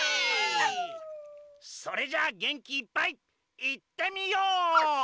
それじゃあげんきいっぱいいってみよう！